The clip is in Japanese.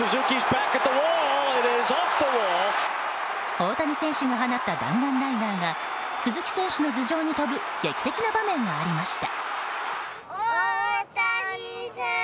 大谷選手が放った弾丸ライナーが鈴木選手の頭上に飛ぶ劇的な場面がありました。